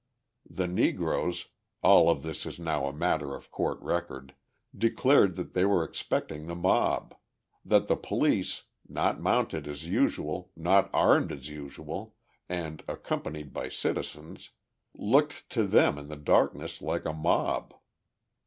The Negroes (all of this is now a matter of court record) declared that they were expecting the mob; that the police not mounted as usual, not armed as usual, and accompanied by citizens looked to them in the darkness like a mob.